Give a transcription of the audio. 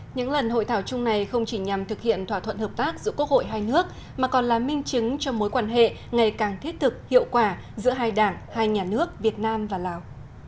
những lần hội thảo chung này không chỉ nhằm thực hiện thỏa thuận hợp tác giữa quốc hội hai nước mà còn là minh chứng cho mối quan hệ ngày càng thiết thực hiệu quả giữa hai đảng hai nhà nước việt nam và lào